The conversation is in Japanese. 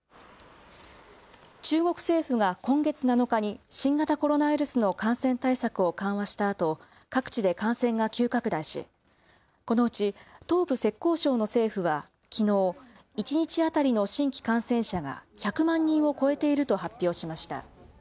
中国政府が今月７日に新型コロナウイルスの感染対策を緩和したあと、各地で感染が急拡大し、このうち東部浙江省の政府はきのう、１日当たりの新規感染者が１００万人を超えていると発表しました。